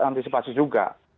untuk antisipasi juga